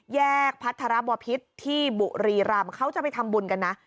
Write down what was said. แยกพัทรบพิษที่บุรีรำเขาจะไปทำบุญกันนะ